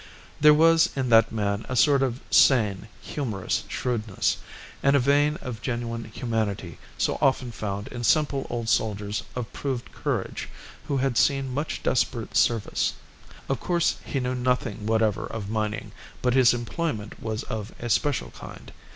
There was in that man a sort of sane, humorous shrewdness, and a vein of genuine humanity so often found in simple old soldiers of proved courage who have seen much desperate service. Of course he knew nothing whatever of mining, but his employment was of a special kind.